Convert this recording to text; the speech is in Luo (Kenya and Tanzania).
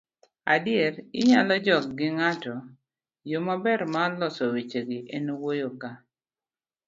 adiera, inyalo jok gi ng'ato. yo maber mar loso wechegi en wuoyo ka